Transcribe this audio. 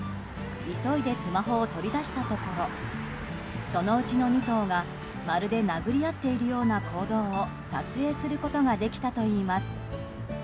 急いでスマホを取り出したところそのうちの２頭がまるで殴り合っているような行動を撮影することができたといいます。